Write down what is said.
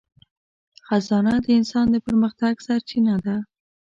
خزانه د انسان د پرمختګ سرچینه ده.